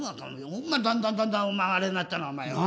だんだんだんだんお前あれになったなお前は。